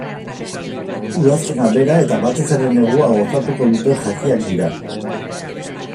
Udazkena bera eta batez ere negua gozatuko duten jakiak dira.